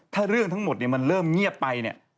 ถ้าเรื่องทั้งหมดมันเริ่มเงียบไป